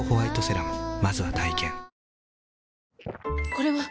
これはっ！